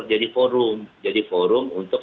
jadi forum jadi forum untuk